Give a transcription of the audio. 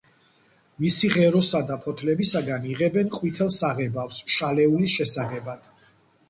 მისი ღეროსა და ფოთლებისაგან იღებენ ყვითელ საღებავს შალეულის შესაღებად.